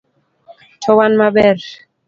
To wan maber